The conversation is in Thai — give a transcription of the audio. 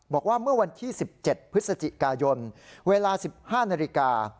บอกว่าเมื่อวันที่๑๗พฤศจิกายนเวลา๑๕นาฬิกา